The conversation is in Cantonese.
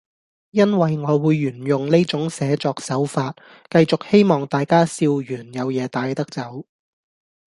因為我會沿用呢種寫作手法，繼續希望大家笑完有嘢帶得走